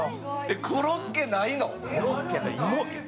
コロッケないの？